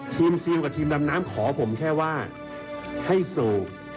ซิลกับทีมดำน้ำขอผมแค่ว่าให้สูบ